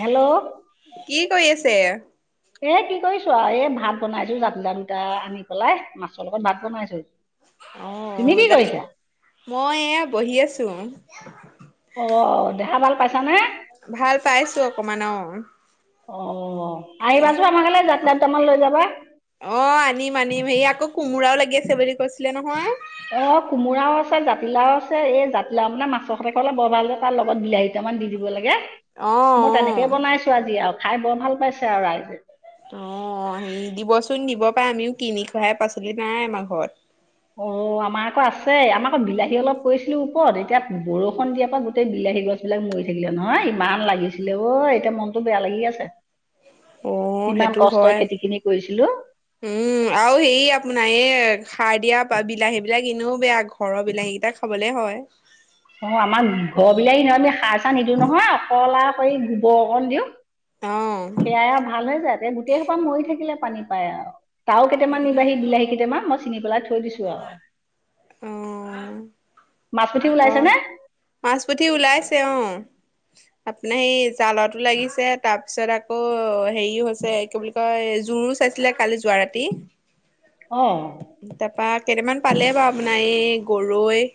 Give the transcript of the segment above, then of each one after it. Hello. কি কৰি আছে? এ কি কৰিছো আৰু এই ভাত বনাইছো জাতিলাও দুটা আনি পেলাই মাছৰ লগত ভাত বনাইছোঁ। অঁ অঁ, জাতি, মই এয়া বহি আছো। অঁ অঁ, দেহা ভাল পাইছানে? ভাল পাইছো অকমান অঁ। অঁ' আহিবাচোন আমাৰ ঘৰলে জাতিলাও দুটামান লৈ যাবা। অঁ' আনিম আনিম সেই আকৌ কোমোৰাও লাগি আছে বুলি কৈছিলে নহয়। অঁ কোমোৰাও আছে, জাতিলাও আছে, এই জাতিলাও মানে মাছৰ সতে খাবলে বৰ ভাল যে তাৰ লগত বিলাহী কেইটামান দি দিব লাগে। অঁ। তেনেকে বনাইছো আজি আৰু খাই বৰ ভাল পাইছে আৰু ৰাইজে। অঁ' হেৰি দিবচোন দিব পাৰে আমিও কিনি খুৱাহে, পাচলি নাই আমাৰ ঘৰত অঁ, আমাৰ আকৌ আছে, আমাৰ আকৌ বিলাহী অলপ কৰিছিলো ওপৰত এতিয়া বৰষুণ দিয়াৰ পৰা গোটেই বিলাহী গছ গোটেই বিলাক মৰি থাকিলে নহয় ইমান লাগিছিলে অ এতিয়া মনটো বেয়া লাগি আছে অ কিমান সেইটো কষ্টই হয়। খেতি খিনি কৰিছিলো উম আৰু সেই আপোনাৰ এই সাৰ দিয়া বিলাহী বিলাক এনেও বেয়া ঘৰৰ বিলাহী কেইটা খাবলে হয় অ আমাৰ ঘৰ বিলাহী নহয় আমি সাৰ চাৰ নিদিয়ো নহয় অকল আৱ সেই গোবৰ অকণ দিওঁ অ সেয়াই আৱ ভাল হৈ যায় এতিয়া গোটেই সোপা মৰি থাকিলে পানী পায় আৰু তাও এ কেইটামান নিবাহি বিলাহী কেইটামান মই চিঙি পেলাই থৈ দিছো আৱ অ মাছ পুঠি অ ওলাইছে নে মাছ পুঠি ওলাইছে অ আপোনাৰ সেই জালতো লাগিছে তাৰ পিছত আকৌ হেৰি হৈছে কি বুলি কয় জোৰো চাইছিলে কালি যোৱা ৰাতি অহ তাপা কেইটামান পালে বাও আপোনাৰ এই গৰৈ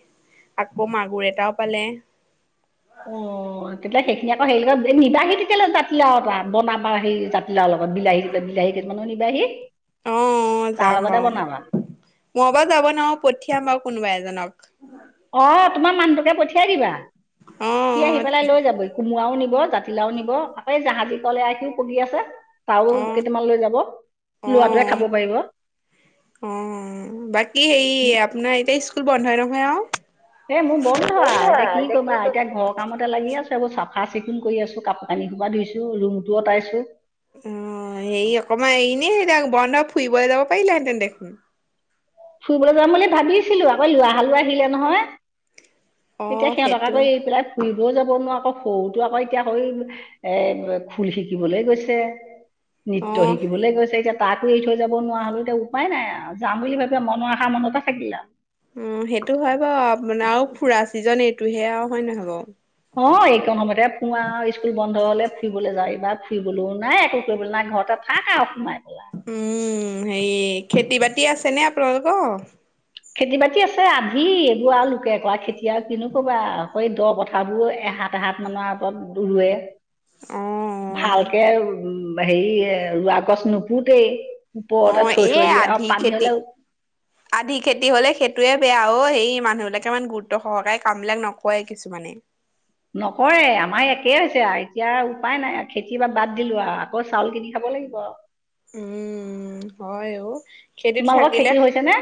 আকৌ মাগুৰ এটাও পালে [inaudible] অ তেতিয়া সেইখিনি আকৌ হেৰি নিবাহি কেলে জাতিলাও এটা বনাবা সেই জাতিলাওৰ লগত বিলাহী বিলাহী [unintelligible] অ তাৰ যাম লগতে বাও বনাবা মই বাও যাব নোৱাৰো পঠিয়াম বাও কোনোবা এজনক অ তোমাৰ মানুহটোকে পঠিয়াই দিবা অ সি আহি পেলাই লৈ যাব কোমোৰাও নিব জাতি জাতিলাও নিব আকৌ জাহাজী কল এয়াষিও পকী আছে তাও অ অ কেইটামান লৈ যাব অ লৰাটোৱে খাব পাৰিব অ বাকী হেৰি আপোনাৰ এতিয়া স্কুল বন্ধ নহয় আও এ মোৰ বন্ধ আৱ এতিয়া কি কৰিবা কৰিম এতিয়া ঘৰ কামতে লাগি আছো এইবোৰ চাফা চিকুণ কৰি আছো কাপোৰ কানি সোপা ধুইছো ৰুমটোও আঁতৰাইছো অ হেৰি অকমান এনেই সেই বন্ধ ফুৰিবলে যাব পাৰিলেহেঁতেন দেখোন ফুৰিবলৈ যাম বুলি ভাবিছিলো আকৌ লৰা হালো আহিলে নহয় অ এতিয়া সিহঁতক আক সেইটো এৰি পেলাই ফুৰিবও যাব নোৱাৰো আকৌ সৰুতো আকৌ এতিয়া সেই এ ফুল শিকিবলে গৈছে অ নৃত্য শিকিবলে গৈছে এতিয়া তাকো এৰি থৈ যাব নোৱাৰা হলো এতিয়া উপায় নাই আও যাম বুলি ভাবি মনৰ আশা মনতে থাকিল আও উম সেইটো হয় বাৰু আপোনাৰ আৰু ফুৰা ছিজন এইটোহে আও হয় নহয় বাও অ এইকণ সময়তে ফুৰ‌ আও স্কুল বন্ধ হলে ফুৰিবলৈ যাওঁ এইবা ফুৰিবলৈও নাই একো কৰিবলৈ নাই ঘৰত থাক আও সোমাই পেলাই উম হেৰি খেতি বাতি আছে নে আপোনালোকৰ খেতি বাতি আছে আধি এইবোৰ আও লোকে কৰা খেতি আৰু কিনো কবা আও এই দ পথাৰবোৰ এহাত এহাত মানৰ আতৰত ৰুৱে অ ভালকে উ হেৰি ৰোৱা গছ নোপোতেই অ ওপৰতে থৈ এই থৈ দিয়ে আও আধি পানী খেতি হ'লেও [inaudible] আধি খেতি হ'লে সেইটোৱে বেয়া অ সেই মানুহবিলাকে ইমান গুৰুত্ব সহকাৰে কামবিলাক নকৰে কিছুমানে নকৰে আমাৰ একে হৈছে আৰু এতিয়া উপায় নাই খেতি বাদ দিলো আৰু আকৌ চাউল কিনি খাব লাগিব আও উম হয় অ খেতিতো তোমালোকৰ থাকিলে খেতি হৈছেনে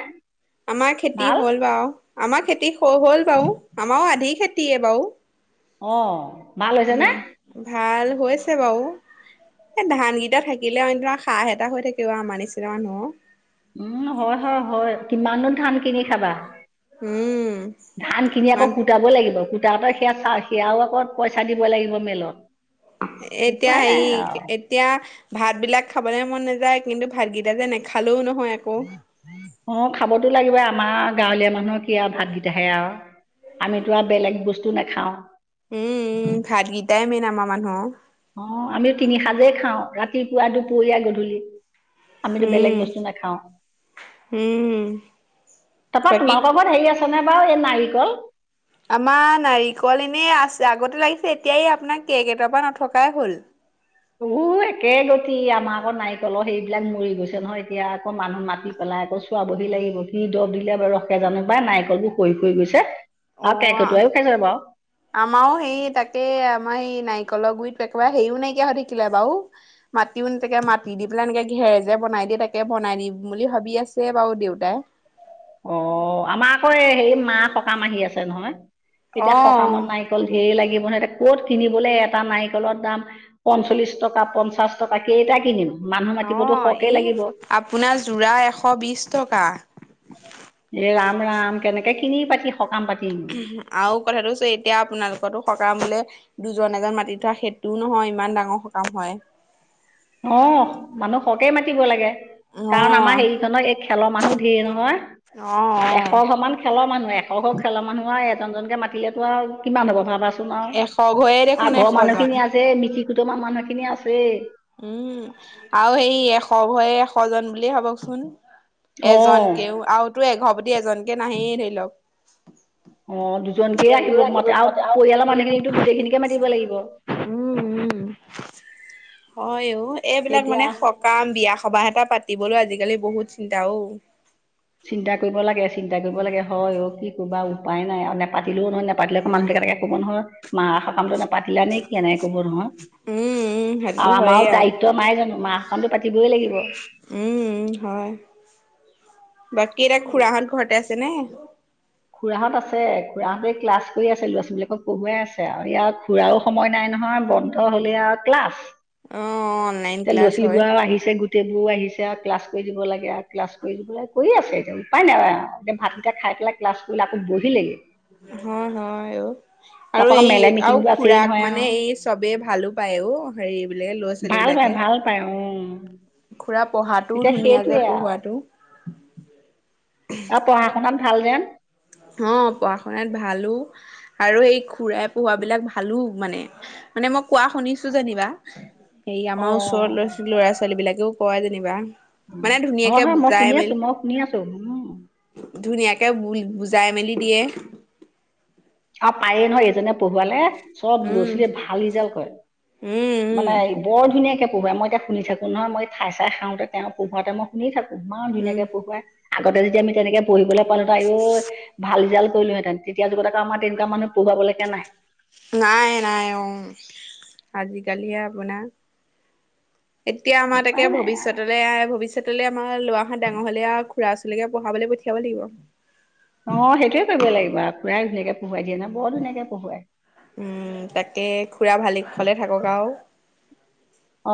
আমাৰ খেতি ভাল হ'ল বাও আমাৰ খেতি হৈ গল বাও আমাৰও আধি খেতিয়ে বাও অ ভাল হৈছে নে? ভাল হৈছে বাও এই ধান কেইটা থাকিলে আউ হাঁহ এটা হৈ থাকিব আমাৰ নিচিনা মানুহ উম হয় হয় হয় কিমাননো ধান কিনি খাবা উম, ধান কিনি মান আকৌ কুটাব লাগিব কু তাওঁতে সেয়া চা সেয়াও আকৌ পইচা দিব লাগিব মেলত এতিয়া উপায় হেই নাই আৰু এত তিয়া ভাতবিলাক খাবলৈ মন নাযায় কিন্তু ভাতকেইটা যে নেখালও নহয় আকৌ অ খাবতো লাগিবই আমা গাঁৱলীয়া মানুহৰ কি আ ভাতকেইটাহে আউ আমিতো আও বেলেগ বস্তু নেখাওঁ উম উম ভাতকেইটাই মেইন আমাৰ মানুহ অ আমি তিনি সাজেই খাওঁ ৰাতিপুৱা দুপৰীয়া গধূলি আমিতো উম, বেলেগ বস্তু নেখাও উম, তাপা বাকী তোমালোক ঘত হেৰি আছে নে বাও এই নাৰিকল আমা নাৰিকল এনেই আছ আগতে লাগিছে এতিয়া এই আপোনা কেকেটোৱা পা নথকাই হ'ল উহ একে গতি আমাৰ আকৌ নাৰিকলৰ সেইবিলাক মৰি গৈছে নহয় এতিয়া আকৌ মানুহ মাতি পেলাই আকৌ খাবহি লাগিব সি দৰব দিলে বাৰ ৰসে জানো বাাই নাৰিকলবোৰ শ শৈ গৈছে [unintelligible] আউ কেৰ্কেটুৱা ইও খাইছে বাউ আমাও সেই তাকে আমাৰ সেই নাৰিকলৰ গুৰিত একেবায়ে সেও নাইকিয়া হৈ থাকিলে বাউ মাটিও নেথাকে মাতি দি পেলাই এনেকে ঘেৰ যে বনাই দিয়ে তাকে বনাই দিম বুলি ভাবি আছে বাউ দেউতাই অ আমাৰ আকৌ হেৰি মা সকাম আহি আছে নহয় এতিয়া সকামত অ', নাই কল ধেৰ লাগিব নহয় এটা কত কিনিবলে এটা নাৰিকলৰ দাম পঞ্চল্লিশ টকা পঞ্চাশ টকা কেইটা কিনিম মানুহ অ মাতিবতো সৰহকেই এই লাগিব আপোনাৰ যোৰা এশ বিশ টকা এ ৰাম ৰাম কেনেকে কিনি পাতি সকাম পাতি আউ কথাটো কৈছো এতিয়া আপোনালোকটো সকামলে দুজন এজন মাতি থোৱা সেইটোও নহয় ইমান ডাঙৰ সকাম হয় অহ মানুহ সহকে মাতিব লাগে কাৰণ আমাৰ অ', হেৰিখনৰ এই খেলৰ মানুহ ধেৰ নহয় অ', এশ অ'। ঘৰ মান খেলৰ মানুহ এশশ খেলৰ মানুহ আউ এজনকে এজনকে মাতিলেতো আউ কিমান হ'ব ভাবা টোমাও এশ ঘৰে দেখোন আঘ মানুহ এশজন। খিনি আছে মিতি কুটম মানুহ খিনি আছে উম আউ সেই এশ ঘয় এশ জন বুলিয়ে ভাবকচোন অঁ এজনকেও আউতো এঘৰ এজনকে নাহেই ধৰি লওক অ দুজনকেই আহিব মতে আৰু পৰিয়ালৰ মানুহখিনিকো গোটেইখিনিকে মাতিব লাগিব উম উ হয় অ এইবিলাক তেতিয়া মানে সকাম বিয়া সবাহ এটা পাতিবলৈ আজিকালি বহুত চিন্তা অউ চিন্তা কৰিব লাগে চিন্তা কৰিব লাগে হয় অ কি কইবা উপায় নাই আৰু নেপাতিলেও নহয় নেপাতিলেও আক মানুহ থাকে থাকে কব নহয় মা সকামটো নেপ পাতিলা নেকি এনেকে কব নহয় উম উম সেইটোতো আউ হয়েই আমাও আৰু দায়িত্ব নাই জানো মা সকামটো পাতিবই লাগিব উম হয় বাকী এটা খুৰাহত ঘৰতে আছে নে খুৰাহত আছে খুৰাহঁতে ক্লাছ কই আছ ল'ৱা ছোৱলীবিলাকক পঢ়ুৱাই আছে আউ ইয়াৰ খুৰাও সময় নাই নহয় বন্ধ হলে আউ ক্লাছ অ অনলাইন তে লো'ৱা ক্লাছ ছোৱালীবো হয় আও আহিছে গোট টবোৰ আহিছে আৰু ক্লাছ কৰি দিব লাগে আৰু ক্লাছ কৰি দিব লাগে কৰি আছে এতিয়া উপায় নাই আৰু এতিয়া ভাতকিটা খাই পেলাই ক্লাছ কৰিলে আকৌ বহি লাগে হ হয় আৰু তাৰপৰা আৰু আকৌ এই মেলে আৰু মিটিংটো আছেই খুৰাক নহয় আৰু মানে এই চবেই ভালো পায় অ হেৰি বিলাকে ল'ৰা ছোৱালী বিলাকে পায়ওঁ খুৰা পঢ়াটোও ধুনীয়া যে আৰু পঢ়োৱাটো আৰু পঢ়া শুনাত ভাল যেন অ পঢ়া শুনাত ভালো আৰু এই খুৰাই পোহোৱা বিলাক ভালো মানে মানে মই কোৱা শুনিছো যেনিবা হেৰি আমাৰ ওচৰ অঁ লৰা ছ ল'ৰা ছোৱালী বিলাকেও কয় যেনিবা মানে হয় ধুনীয়াকে হয় মই বুজাই শুনি মেলি আছো মই শুনি আছো ধুনীয়াকে ব বুজাই মেলি দিয়ে। আৰু পায়ে নহয় এজনে পঢ়োৱালে চব ল'ৰা উম, ছোৱালীয়ে ভাল ৰিজাল্ট কৰে উম, উম, মানে বৰ ধুনীয়াকে পোহোৱাই মই এতিয়া শুনি থাকো নহয় মই ঠাই চাই খাওঁতে তেওঁ পোহাতে মই শুনি থাকো ইমান উম। ধুনীয়াকে পঢ়ৱাই আগতে যদি আমি তেনেকে পঢ়িবলৈ পালোহত আঐ ভাল ৰিজালট কৰিলো হেঁতেন তেতিয়া যগত আমাৰ তেনেকুৱা মানুহ পঢ়োৱা লৈকে নাই নাই নাই অ আজিকালিয়ে আপোনাৰ এতিয়া আমাৰ তাকে উপায় নাই ভৱিষ্যত লে ভৱিষ্যতলৈ আমাৰ লৰা হত ডাঙৰ হলেয়া খুৰা ছোৱালীকে পঢ়াব পঠিয়াব লাগিব। অ সেইটোয়ে কৰিব লাগিব আৰু খুৰাই ধুনীয়াকে পঢ়োৱাই দিয়ে না বৰ ধুনীয়াকে পঢ়োৱাই উম তাকে খুৰা ভালে কুশলে থাকক আৰু অ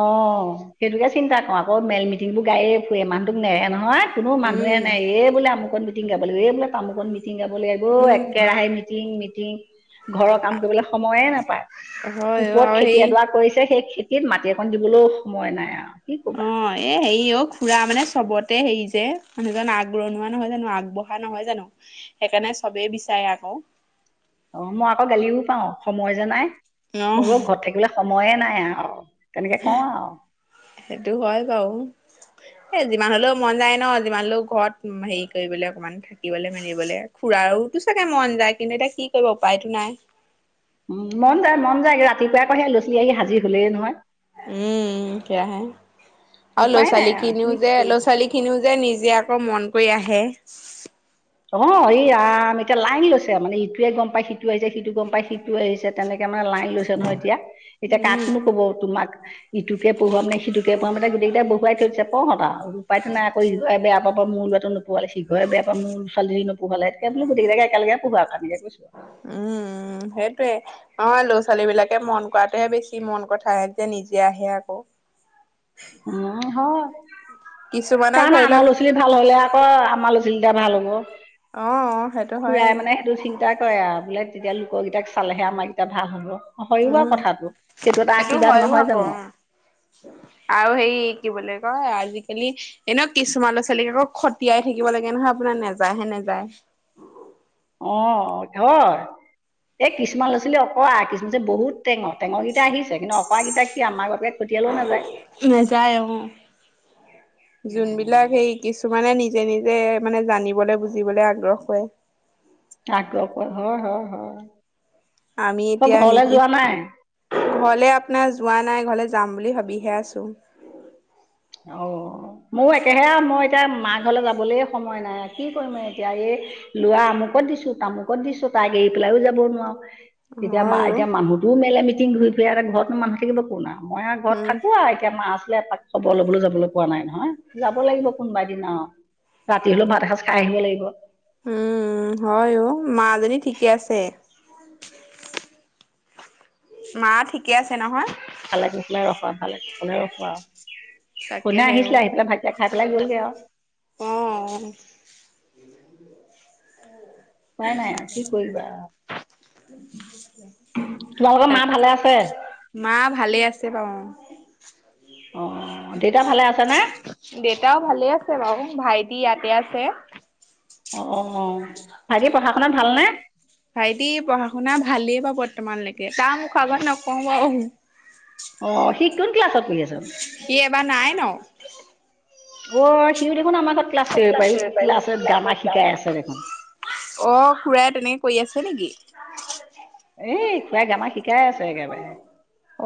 সেইটোকে চিন্তা কৰ আকৌ মেল মিটিংটো গায়ে ফুৰে মানুহটোক নেৰে নহয় কোনো মানুহে উম, নাই এই বোলে আমুক মিটি গাব লাগ এই বোলে তামুকন মিং মিটিং গাবলৈ আকৌ উম। একেৰাহে মিটিং মিটিং ঘৰৰ কাম কৰিবলৈ সময়ে নাপায় হয় অ ওপৰত আৰু সেই খেতি এডৰা কৰিছে সেই খেতিত মাটি অকন দিবলৈও সময় নাই আৰু কি অ ক'বা এ হেৰি অ খুৰা মানে চবতে হেৰি যে মানুহজন আগৰণোৱা নহয় জানো আগবঢ়া নহয় জানো সেইকাৰণে চবেই বিচাৰে আকৌ অ মই আকৌ গালিও পাৰু সময় যে নাই অ মই বোলো ঘৰত থাকিবলৈ সময়ে নাই আৰু তেনেকে কওঁ আৰু সেইটো হয় বাৰু এ যিমান হলেও মন যায় ন যিমান হলেও ঘৰত হেৰি কৰিবলে অকমান থাকিবলৈ মেলিবলৈ ফূৰাৰতো চাগে মন যায় কিন্তু এতিয়া কি কৰিব উপায়টো নাই উম মন যায় মন যায় ৰাতিপুৱাই আকৌ সেই লৰা-ছোৱালী আহি হাজিৰ হলেই নহয় উম সেয়া হে আৰু লৰা উপায় নাই ছোৱালী আৰু খিনিও যে কি ল'ৰা-ছোৱালী খিনিও যে নিজে আকৌ মন কৰি আহে অহ এই আম এতিয়া লাইন লৈছে মানে ইটোৱে গম পায় সিটো আহিছে সিটো গম পাই সিটো আহিছে তেনেকে মানে লাইন লৈছে নহয় এতিয়া এতিয়া উম কাকনো কব তোমাক ইটোকে পঢ়োৱাম নে সিটোকে পঢ়োৱাম এতিয়া গোটেই কেইটাই বহুৱাই থৈছে পৰঁ আৰু উপাইটো নাই আকৌ ইউৱাই বেয়া পাব মোৰ লৰাটো পোৱালি ঘৰে বেয়া পাম মোৰ ছোৱালীজনী নবঢ়োৱা যে বোলো গোটেই কেইটা একেলগে পঢ়োৱা কৈছো আৰু উম উম সেইটোৱে অ ল'ৰা ছোৱালী বিলাকে মন কৰাটোহে বেছি মন কথাহে এতিয়া নিজে আহি আকৌ উ হয় কিছুমানক কাৰন ধৰি লওক আনৰ লৰা ছোৱালী ল'ৰা - ছোৱালী ভাল হলে আকৌ আমাৰ লৰা - ছোৱালী কেইটা ভাল হ'ব অ, সেইটো খুৰাই হয়েই মানে সেইটো চিন্তা কৰে আৰু বোলে তেতিয়া লোকৰকেইটাক চালেহে আমাৰকেইটা ভাল হ'ব। হয়ও বাৰু উম কথাটো সেইটো এটা আশীৰ্বাদ হয়ো নহয় আকৌ জানো। আৰু হেৰি কি বুলি কয় আজিকালি এনেও কিছুমানৰ ছোৱালীক আকৌ খতিয়াই থাকিব লাগে নহয় আপোনাৰ নেযায় হে নেযায়। অ হয়। এ কিছুমান লৰা-ছোৱালী অকৰা কিছুমান যে বহুত টেঙৰ টেঙৰকেইটা আহিছে কিন্তু অকৰাকেইটা কি আমাৰ বাবে পঠিয়ালেও নাযায়। নেযায় অহ। যোনবিলাক উম, সেই কিছুমানে নিজে নিজে মানে জানিবলৈ বুজিবলে আগ্ৰহ কৰে। আগ্ৰহ কৰে হয় হয় হয়। আমি এতিয়া তই ঘৰলে নিজে যোৱা নাই? ঘৰলে আপোনাৰ যোৱা নাই ঘৰলে যাম বুলি ভাবিহে আছো। অ মোৰ একেহে আৰু মোৰ এতিয়া মাৰ ঘৰলৈ যাবলৈ সময় নাই। কি কৰিম আৰু এতিয়া এই লৰা আমুকত দিছো তামুকত দিছো তাইক এৰি পেলাইও যাব নোৱাৰো। এতিয়া মা হয় অ এতিয়া মানুহটোও মেলে মিটিঙে ঘূৰি ফুৰে আৰু ঘৰতনো মানুহ থাকিব কোন আও। মই আৰু ঘৰত উম থাকো আৰু এতিয়া মা উছলে এপাক খবৰ ল'বলৈও যাবলৈ পোৱা নাই নহয় যাব লাগিব কোনোবা দিনা আৰু। ৰাতি হলেও ভাত এসাঁজ খাই আহিব লাগিব। উম হয় অ। মাজনি ঠিকে আছে? মা ঠিকে আছে নহয়। ভালে কুশলে ৰখোৱা ভালে কুশলে ৰখোৱা আৰু। শুনে তাকেহে আহিছিলে আহি পেলাই ভাতকেইতা খাই পেলাই গল গে আৰু। অহ। উপাই নাই কি কৰিবা। তোমালোকৰ মা তাক ভালে আছে? মা ভালে আছে বাৰু অ। অ দেউতা ভালে আছে? দেউতাও ভালে আছে বাৰু ভাইটি ইয়াতে আছে। অ অ অ, ভাইটি পঢ়া শুনাত ভালনে? ভাইটি পঢ়া শুনা ভালেই বাৰু বৰ্তমানলৈকে তাৰ মুখৰ আগত নকওঁ বাৰু। অ সি কোন ক্লাছত পঢ়ি আছে? সি এবাৰ নাইনত। অ সি দেখোন আমাৰ ঘৰত ক্লাছ কৰিব পাৰিব ক্লাছত গামাৰ শিকাই আছে দেখোন। অ খুৰাই তেনেকে কৰি আছে নেকি? এ খুৰাই গামাৰ শিকাই আছে একেবাৰে,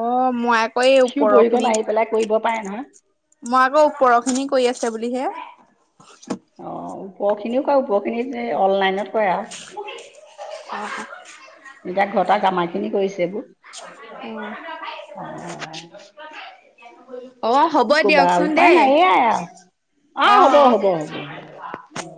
অ মই আকৌ এই সিও ওপৰৰ পঢ়িবলে খিনিক আহিব পেলাই কৰিব পাৰে নহয়। মই আকৌ ওপৰ খিনি কৰি আছে বুলিহে। অহ ওপৰ খিনিও কৰে ওপৰ খিনিক এই অনলাইনত কৰে আৰু। আহ। এতিয়া ঘৰত আও গৰ্মাৰ খিনি কৰিছে এইবোৰ। উম। অঁ অ হ'ব কি ক'বা দিয়কচোন উপায় দেই নাই এয়াই আৰু অঁ অ হ'ব অ। হ'ব হ'ব হ'ব অঁ